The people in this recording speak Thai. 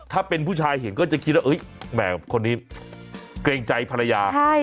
ถ้าเป็นผู้ชายเห็นก็จะคิดว่าแหมคนนี้เกรงใจภรรยา